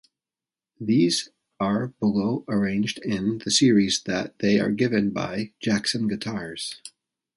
These are below arranged in the series that they are given by Jackson Guitars.